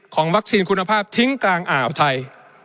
วัคซีนคุณภาพทิ้งกลางอ่าวไทย